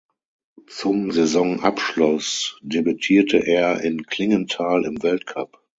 Zum Saisonabschluss debütierte er in Klingenthal im Weltcup.